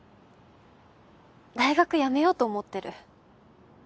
大学辞めようと思ってる。